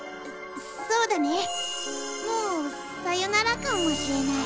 そうだねもうさよならかもしれない。